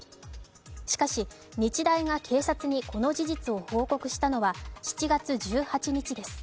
しかし、日大が警察にこの事実を報告したのは７月１８日です。